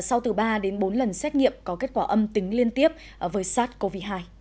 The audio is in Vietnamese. sau từ ba đến bốn lần xét nghiệm có kết quả âm tính liên tiếp với sars cov hai